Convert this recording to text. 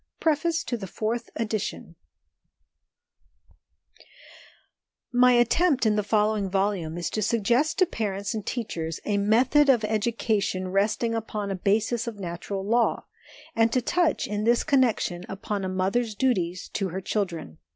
Preface to the Fourth Edition MY attempt in the following volume is to suggest to parents and teachers a method of education resting upon a basis of natural law ; and to touch, in this connection, upon a mother's duties to her children.